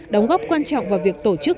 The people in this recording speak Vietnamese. đóng góp quan trọng vào việc tổ chức